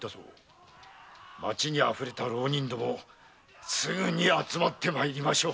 町にあふれた浪人どもがすぐに集まって参りましょう。